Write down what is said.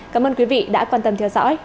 cảm ơn quý vị đã quan tâm theo dõi